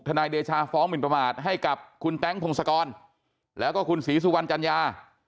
นายเดชาฟ้องหมินประมาทให้กับคุณแต๊งพงศกรแล้วก็คุณศรีสุวรรณจัญญา